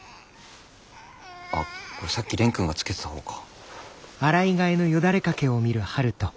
あっこれさっき蓮くんがつけてたほうか。